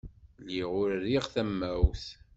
Lliɣ ur rriɣ tamawt.